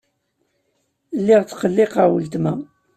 Lliɣ ttqelliqeɣ weltma.